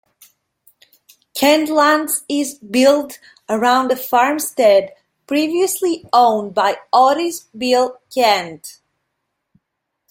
Kentlands is built around a farmstead previously owned by Otis Beall Kent.